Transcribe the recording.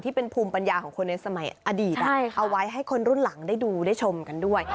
เป็นภูมิปัญญาของคนในสมัยอดีตเอาไว้ให้คนรุ่นหลังได้ดูได้ชมกันด้วย